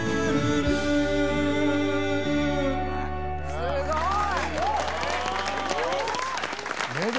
すごい！